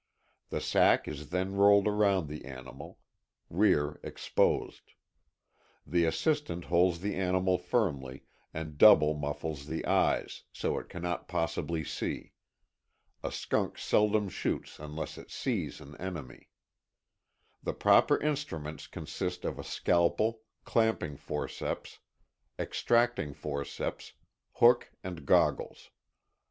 The sack is then rolled around the animal; rear exposed. The assistant holds the animal firmly and double muffles the eyes, so it cannot possibly see. A skunk seldom shoots unless it sees an enemy. The proper instruments consist of a scalpel, clamping forceps, extracting forceps, hook and goggles.